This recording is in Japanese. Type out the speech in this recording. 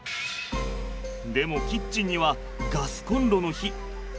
でもキッチンにはガスコンロの火。